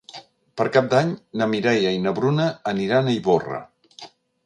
Per Cap d'Any na Mireia i na Bruna aniran a Ivorra.